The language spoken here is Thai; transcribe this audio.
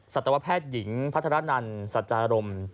ศัตรวแพทย์หญิงพัทรนันศัตราลม